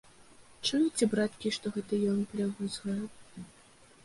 Чуеце, браткі, што гэта ён плявузгае?